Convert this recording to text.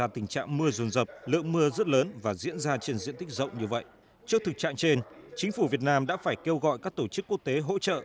trước thực trạng trên chính phủ việt nam đã phải kêu gọi các tổ chức quốc tế hỗ trợ